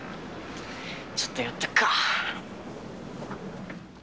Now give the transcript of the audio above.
ちょっと寄ってくか。